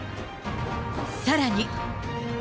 さらに。